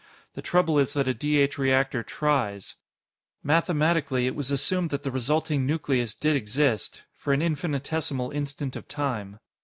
The trouble is that a D H reactor tries. Mathematically, it was assumed that the resulting nucleus did exist for an infinitesimal instant of time.